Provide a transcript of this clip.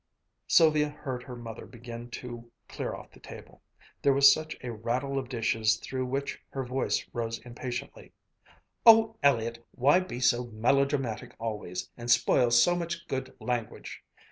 Sylvia heard her mother begin to clear off the table. There was a rattle of dishes through which her voice rose impatiently. "Oh, Elliott, why be so melodramatic always, and spoil so much good language!